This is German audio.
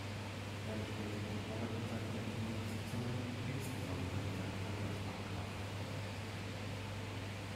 Er bestätigte Robert in seinen Ämtern und Besitzungen, insbesondere in seiner Stellung als Markgraf.